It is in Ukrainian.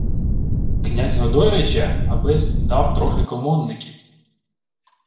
— Князь Годой рече, аби-с дав трохи комонників!